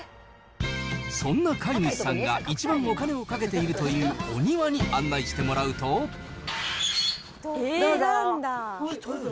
そんな飼い主さんが一番お金をかけているというお庭に案内してもどうぞ。